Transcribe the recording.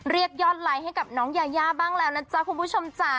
เรียกยอดไลค์ให้กับน้องยายาบ้างแล้วนะจ๊ะคุณผู้ชมจ๊ะ